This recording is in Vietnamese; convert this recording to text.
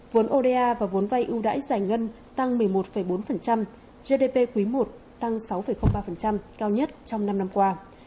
vốn oda và vốn vay ưu đãi giải ngân tăng một mươi một bốn gdp quý i tăng sáu ba cao nhất trong năm năm qua